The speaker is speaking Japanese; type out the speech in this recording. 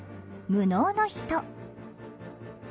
「無能の人」。